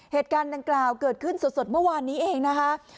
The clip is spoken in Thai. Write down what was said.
เหตุการณ์ดังกล่าวเกิดขึ้นสดเมื่อวานนี้เองนะคะ